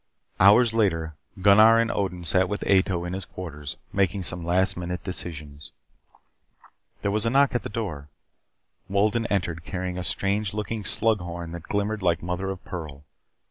Hours later Gunnar and Odin sat with Ato in his quarters, making some last minute decisions. There was a knock at the door. Wolden entered, carrying a strange looking slug horn that glimmered like mother of pearl.